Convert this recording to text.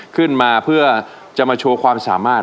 ขึ้นมาเพื่อจะมาโชว์ความสามารถ